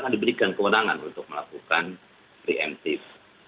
diberikan kewenangan untuk melakukan preemptif